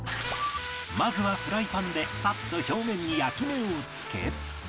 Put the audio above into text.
まずはフライパンでサッと表面に焼き目をつけ